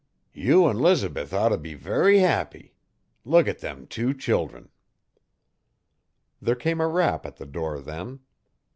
You n 'Lizabeth oughter be very happy. Look a' them tew childern! There came a rap at the door then.